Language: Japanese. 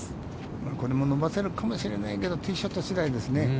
これも伸ばせるかもしれないけどティーショット次第ですね。